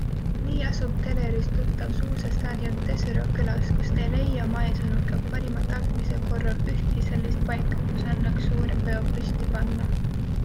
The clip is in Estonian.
Nii asub telerist tuttav suusastaadion Tesero külas, kust ei leia Mae sõnul ka parima tahtmise korral ühtki sellist paika, kus annaks suure peo püsti panna.